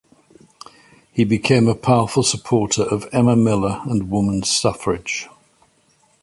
He became a powerful supporter of Emma Miller and Women's suffrage.